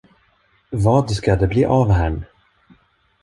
Vad ska det bli av herrn?